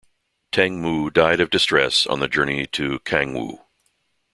Teng Mu died of distress on the journey to Cangwu.